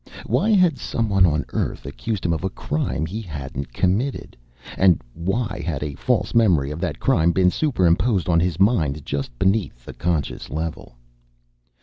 Why had someone on Earth accused him of a crime he hadn't committed? And why had a false memory of that crime been superimposed on his mind just beneath the conscious level?